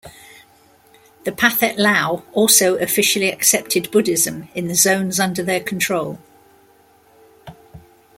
The Pathet Lao also officially accepted Buddhism in the zones under their control.